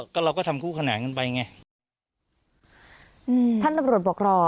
ก็เราก็ทำคู่ขนานกันไปไงอืมท่านตำรวจบอกรอ